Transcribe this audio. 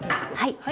はい。